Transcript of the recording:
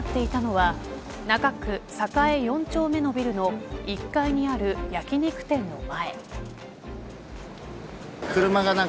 多くの人が集まっていたのは中区栄４丁目のビルの１回にある焼き肉店の前。